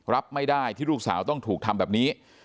รับไม่ได้ที่ลูกสาวต้องถูกทำแบบนี้